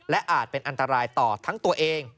และอาจเป็นอันตรายต่อทั้งตัวเอง